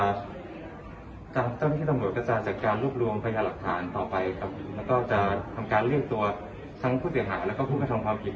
ก็จะเจ้าได้ดมเวิร์ษกับจากการรวบรวมพญาบาทต่อไปแล้วก็จะทำการเรียกตัวทั้งผู้เกี่ยวข้าเรื่องความผิด